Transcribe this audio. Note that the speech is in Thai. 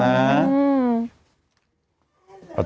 น่ารักนิสัยดีมาก